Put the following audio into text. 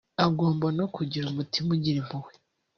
Agomba no kugira umutima ugira impuhwe